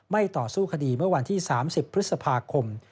ต่อสู้คดีเมื่อวันที่๓๐พฤษภาคม